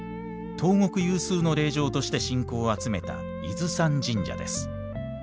東国有数の霊場として信仰を集めた伊豆山神社です。